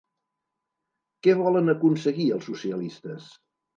Què volen aconseguir els socialistes?